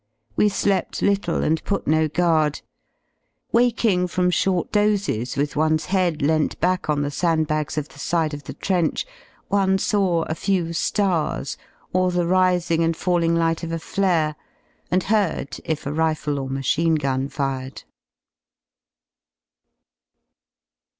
We slept little and put no guard; waking from short dozes with one's head leant back on the sand bags of the side of the trench one saw a few ^ars, or the rising and falling light of a flare, and heard if a rifle or machine gun fired.